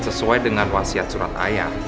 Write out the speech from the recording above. sesuai dengan wasiat surat ayah